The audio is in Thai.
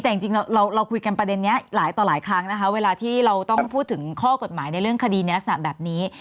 แต่จริงเราคุยกันประเด็นนี้หลายต่อหลายครั้งนะคะเวลาที่เราต้องพูดถึงข้อกฎหมายในเรื่องคดีในลักษณะแบบนี้